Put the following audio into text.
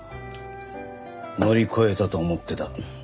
乗り越えたと思ってた。